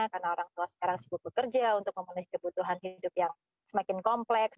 karena orang tua sekarang sebut bekerja untuk memenuhi kebutuhan hidup yang semakin kompleks